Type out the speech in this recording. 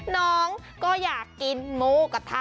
น้องก็อยากกินหมูกระทะ